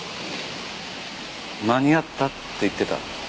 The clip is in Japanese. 「間に合った」って言ってた。